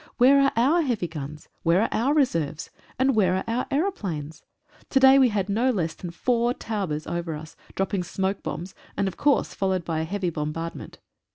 Where are our heavy guns ? Where are our reserves? And where are our aeroplanes? To day we had no less than four Taubes over us, dropping smoke "bombs, and, of course, followed by a heavy bombard ment.